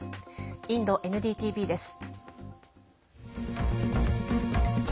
インドＮＤＴＶです。